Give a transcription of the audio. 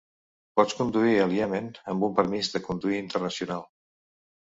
Pots conduir al Iemen amb un permís de conduir internacional.